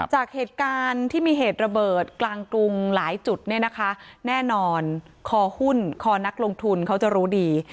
จากเหตุการณ์ที่มีเหตุระเบิดกลางกรุงหลายจุดเนี่ยนะคะแน่นอนคอหุ้นคอนักลงทุนเขาจะรู้ดี